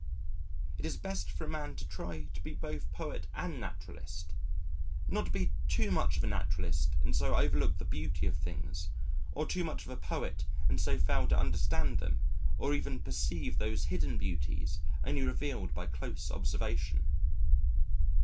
It is best for a man to try to be both poet and naturalist not to be too much of a naturalist and so overlook the beauty of things, or too much of a poet and so fail to understand them or even perceive those hidden beauties only revealed by close observation.